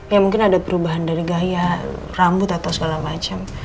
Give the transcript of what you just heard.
ya mungkin ada perubahan dari gaya rambut atau segala macam